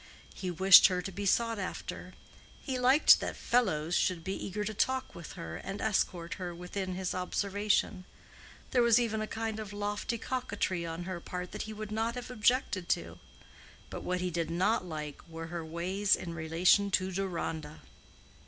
He wished her to be sought after; he liked that "fellows" should be eager to talk with her and escort her within his observation; there was even a kind of lofty coquetry on her part that he would not have objected to. But what he did not like were her ways in relation to Deronda.